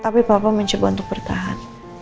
tapi bapak mencoba untuk bertahan